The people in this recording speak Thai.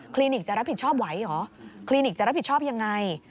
ลินิกจะรับผิดชอบไหวเหรอคลินิกจะรับผิดชอบยังไง